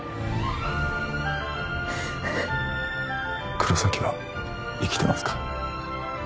黒崎は生きてますか？